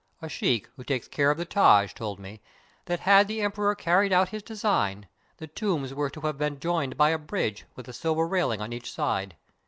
A sheikh, who takes care of the Taj, told me, that had the emperor carried out his design, the tombs were to have been joined by a bridge, with a silver raihng on each side.